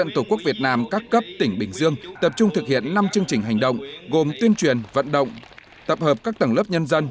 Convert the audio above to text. tổ quốc việt nam các cấp tỉnh bình dương tập trung thực hiện năm chương trình hành động gồm tuyên truyền vận động tập hợp các tầng lớp nhân dân